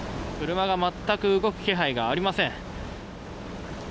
車が全く動く気配がありません。